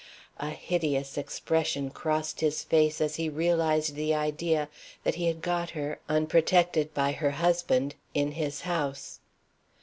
A hideous expression crossed his face as he realized the idea that he had got her (unprotected by her husband) in his house.